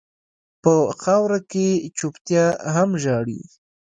په خاوره کې چپتيا هم ژاړي.